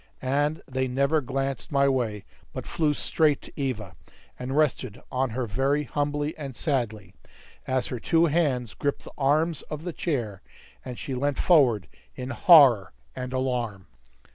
And they never glanced my way, but flew straight to Eva, and rested on her very humbly and sadly, as her two hands gripped the arms of the chair, and she leant forward in horror and alarm.